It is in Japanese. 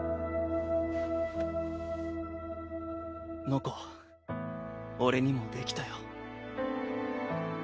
ノコ俺にもできたよ。